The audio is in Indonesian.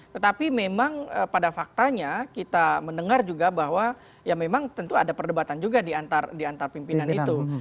tetapi memang pada faktanya kita mendengar juga bahwa ya memang tentu ada perdebatan juga di antar pimpinan itu